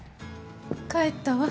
帰ったわ。